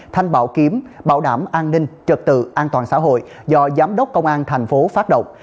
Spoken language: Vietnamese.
thanh bảo kiếm bảo đảm an ninh trật tự an toàn xã hội do giám đốc công an thành phố phát động